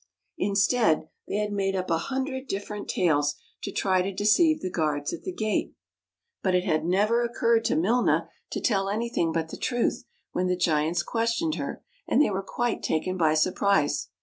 Instead, they had made up a hundred different tales to try to deceive the guards at the gate. But it had never 133 THE CASTLE UNDER THE SEA occurred to Milna to tell anything but the truth when the giants questioned her, and they were quite taken by surprise.